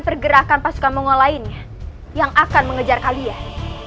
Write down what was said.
pergerakan pasukan mongo lainnya yang akan mengejar kalian